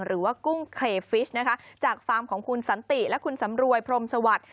หรือว่ากุ้งเคลฟิชจากฟาร์มของคุณสันติและคุณสำรวยพรมสวัสดิ์